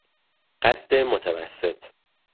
قد متوسط